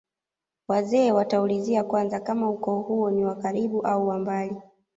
wazee wataulizia kwanza kama ukoo huo ni wa karibu au wa mbali